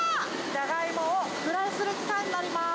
ジャガイモをフライする機械になります。